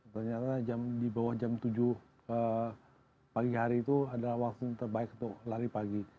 ternyata di bawah jam tujuh pagi hari itu adalah waktu yang terbaik untuk lari pagi